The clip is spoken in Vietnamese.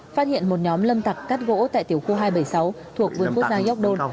phát hiện một nhóm lâm tặc cắt gỗ tại tiểu khu hai trăm bảy mươi sáu thuộc vườn quốc gia york don